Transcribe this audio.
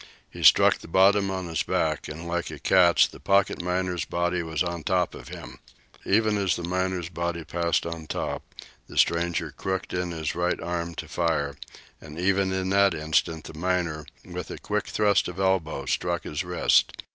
He struck the bottom on his back, and like a cat's the pocket miner's body was on top of him. Even as the miner's body passed on top, the stranger crooked in his right arm to fire; and even in that instant the miner, with a quick thrust of elbow, struck his wrist.